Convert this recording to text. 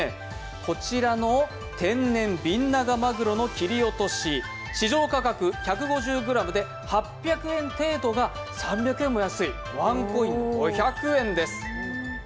こちらの天然ビンナガマグロの切り落とし、市場価格１５０ｇで８００円程度が３００円も安いワンコイン５００円です。